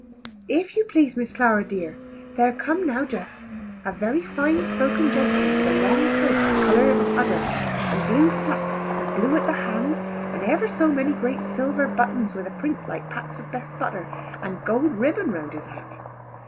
If you please Miss Clara dear, there come now just a very fine spoken gentleman with a long coat the colour of udder, and blue flaps, and blue at the hands, and ever so many great silver buttons with a print like pats of best butter, and gold ribbon round his hat.